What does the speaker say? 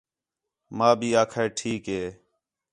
ماں بھی آکھا ہِے ٹھیک ہِے